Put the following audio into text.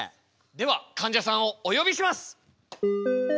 ではかんじゃさんをおよびします。